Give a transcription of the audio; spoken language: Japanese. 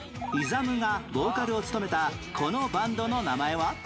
ＩＺＡＭ がボーカルを務めたこのバンドの名前は？